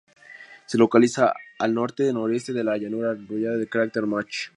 Se localiza al norte-noroeste de la llanura amurallada del cráter Mach.